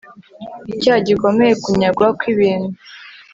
icyaha gikomeye kunyagwa kw ibintu